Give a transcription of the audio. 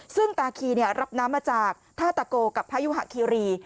ซึ่งตาคีรับน้ำมาจากท่าตะโกกับพระยุหะคีรี